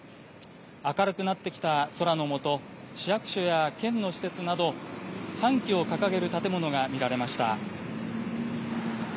明るくなってきた空の下、市役所や県の施設など、半旗を掲げる建物が見られました。